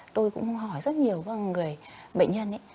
tôi cũng hỏi rất nhiều với người bệnh nhân ấy